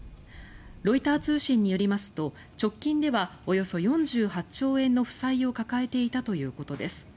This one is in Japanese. ロイター通信によりますと直近ではおよそ４８兆円の負債を抱えていたということです。